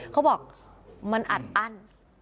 เขาบอกมันอัดอั้น